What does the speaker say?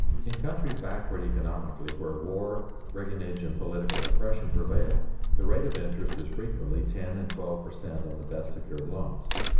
In countries backward economically, where war, brigandage, and political oppression prevail, the rate of interest is frequently ten and twelve per cent. on the best secured loans.